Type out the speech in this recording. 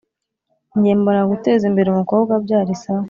Nge mbona guteza imbere umukobwa byarisawa